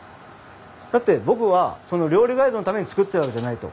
だって僕はその料理ガイドのために作ってるわけじゃないと。